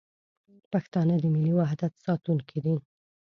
پښتانه د ملي وحدت ساتونکي دي.